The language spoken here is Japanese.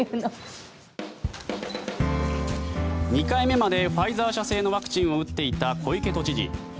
２回目までファイザー社製のワクチンを打っていた小池都知事。